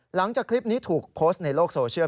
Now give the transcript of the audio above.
หลังจากคลิปนี้ถูกโพสต์ในโลกโซเชียล